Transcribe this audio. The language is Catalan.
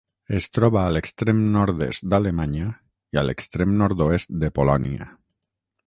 Es troba a l'extrem nord-est d'Alemanya i a l'extrem nord-oest de Polònia.